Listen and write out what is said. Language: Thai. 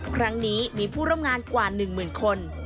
ครั้งนี้มีผู้ร่วมงานกว่า๑หมื่นคน